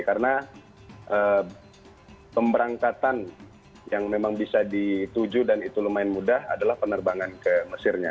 karena pemberangkatan yang memang bisa dituju dan itu lumayan mudah adalah penerbangan ke mesirnya